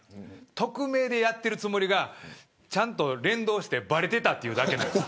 匿名でやってるつもりがちゃんと連動してばれてたというだけです。